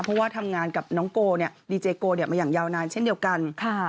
เพราะว่าทำงานกับน้องโกดีเจโกมาอย่างยาวนานเช่นเดียวกัน